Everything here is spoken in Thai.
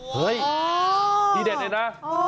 เฮ้ยที่เด็ดเลยนะ